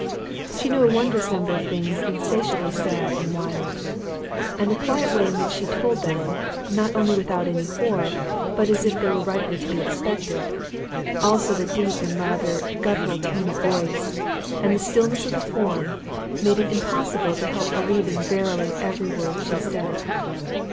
She knew a wondrous number of things insatiably sad and wild; and the quiet way in which she told them (not only without any horror, but as if they were rightly to be expected), also the deep and rather guttural tone of voice, and the stillness of the form, made it impossible to help believing verily every word she said.